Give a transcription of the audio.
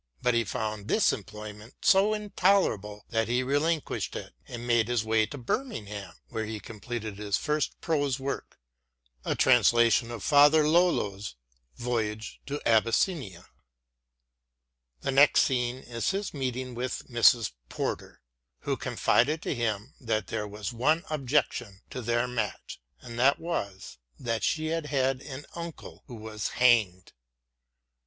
But he found this employment so intolerable that he relinquished it and made his way to * Boswell's " Life of Johnson." 32 SAMUEL JOHNSON Birmingham, where he completed his first prose work, a translation of Father Lolo's " Voyage to Abyssinia." The next scene is his meeting with Mrs. Porter, who confided to him that there was one objection to their match and that was that she had had an uncle who was hanged.